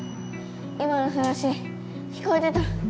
今の話聞こえてた。